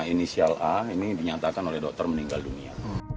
inisial a ini dinyatakan oleh dokter meninggal dunia